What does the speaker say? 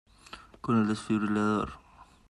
con el desfibrilador.